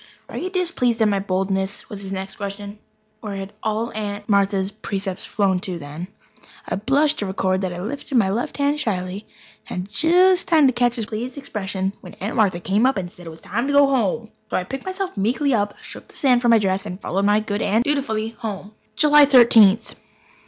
"Are you displeased at my boldness?" was his next question. Where had all Aunt Martha's precepts flown to then? I blush to record that I lifted my left hand shyly and had just time to catch his pleased expression when Aunt Martha came up and said it was time to go home. So I picked myself meekly up, shook the sand from my dress, and followed my good aunt dutifully home. July Thirteenth.